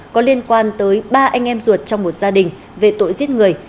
có liên quan tới ba anh em ruột trong một gia đình về tội giết người